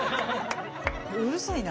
うるさいな。